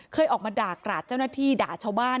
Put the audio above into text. เคยออกมาด่ากราดเจ้าหน้าที่ด่าชาวบ้าน